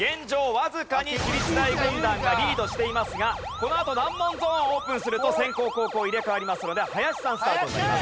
わずかに私立大軍団がリードしていますがこのあと難問ゾーンオープンすると先攻後攻入れ替わりますので林さんスタートになります。